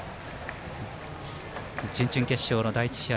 準々決勝の第１試合